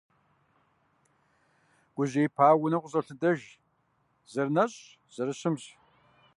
Гужьеипауэ, унэм къыщӀолъэдэж, зэрынэщӀщ, зэрыщымщ…